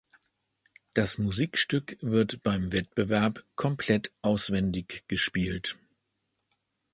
Das Musikstück wird beim Wettbewerb komplett auswendig gespielt.